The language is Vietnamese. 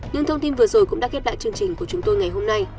những thông tin vừa rồi cũng đã khép lại chương trình của chúng tôi ngày hôm nay